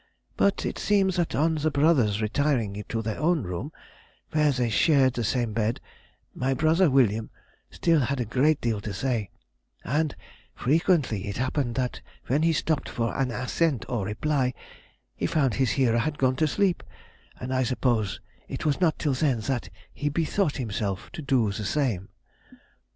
But it seems that on the brothers retiring to their own room, where they shared the same bed, my brother William had still a great deal to say; and frequently it happened that when he stopped for an assent or reply, he found his hearer was gone to sleep, and I suppose it was not till then that he bethought himself to do the same.